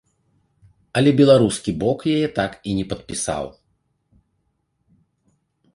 Але беларускі бок яе так і не падпісаў.